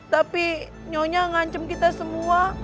tapi nyonya ngancam kita semua